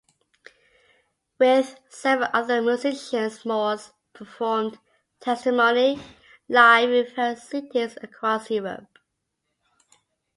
With seven other musicians, Morse performed "Testimony" live in various cities across Europe.